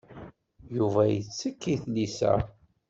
Yuba yettekk i tlisa.